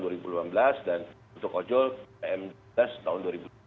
dan untuk ojol pm dua belas tahun dua ribu delapan belas